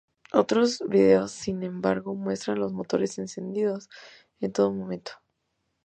Otros videos, sin embargo, muestran los motores encendidos en todo momento.